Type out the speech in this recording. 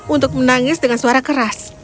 untuk menangis dengan suara keras